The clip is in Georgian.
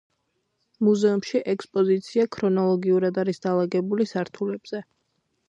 მუზეუმში ექსპოზიცია ქრონოლოგიურად არის დალაგებული სართულებზე.